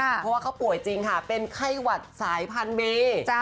เพราะว่าเขาป่วยจริงค่ะเป็นไข้หวัดสายพันธุเมย์